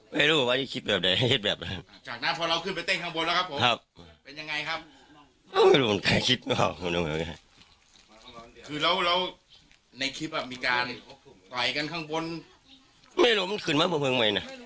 ไม่รู้ว่ามันขึ้นมาบนพื้ง